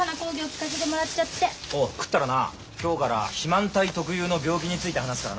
おう食ったらな今日から肥満体特有の病気について話すからな。